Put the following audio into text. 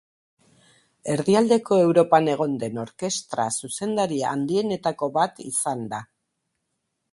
Erdialdeko Europan egon den orkestra-zuzendari handienetako bat izan da.